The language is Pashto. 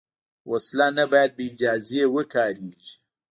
وسله نه باید بېاجازه وکارېږي